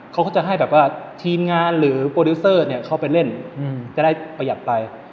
เขาก็จะให้ทีมงานหรือโปรดิวเซอร์เนี่ยเขาที่เขาไปเล่นจะได้ประหยัดไป